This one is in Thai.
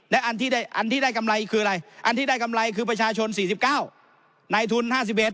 และอันที่อันที่ได้กำไรคืออะไรอันที่ได้กำไรคือประชาชน๔๙ในทุน๕๑